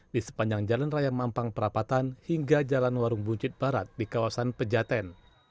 di sepanjang jalan raya mampang perapatan hingga jalan warung buncit barat di kawasan pejaten